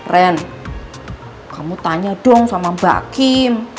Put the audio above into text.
ren kamu tanya dong sama mbak kim